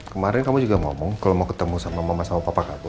kemarin kamu juga ngomong kalau mau ketemu sama mama sama papa kamu